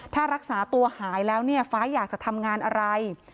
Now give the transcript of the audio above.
ถ้ารักษาตัวหายแล้วเนี่ยฟ้าอยากจะทำงานอะไร